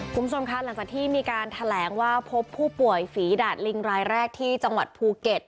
คุณผู้ชมคะหลังจากที่มีการแถลงว่าพบผู้ป่วยฝีดาดลิงรายแรกที่จังหวัดภูเก็ต